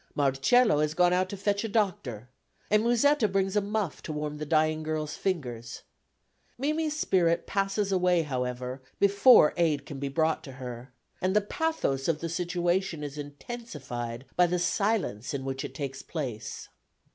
Marcello has gone out to fetch a doctor and Musetta brings a muff to warm the dying girl's fingers. Mimi's spirit passes away however before aid can be brought to her, and the pathos of the situation is intensified by the silence in which it takes place.